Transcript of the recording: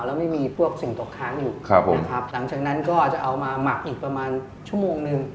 แล้วไม่มีพวกสิ่งตกค้างอยู่นะครับหลังจากนั้นก็จะเอามาหมักอีกประมาณชั่วโมงนึง